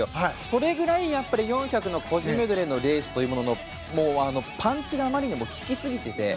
それぐらい４００ｍの個人メドレーのレースのパンチがあまりにも利きすぎていて。